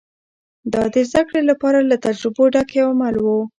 دا د زدهکړې لپاره له تجربو ډک یو عمل و